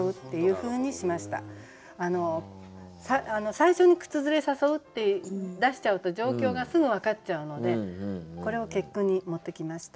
最初に「靴ずれ誘う」って出しちゃうと状況がすぐ分かっちゃうのでこれを結句に持ってきました。